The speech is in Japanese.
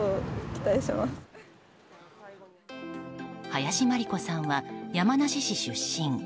林真理子さんは山梨市出身。